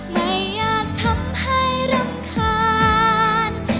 ไม่อยากทำให้รำคาญ